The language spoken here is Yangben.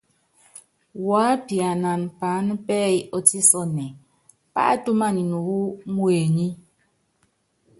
Wu ápiana paána pɛ́yí ɔ́tísɔnɛ, páátúmanini wú muenyi.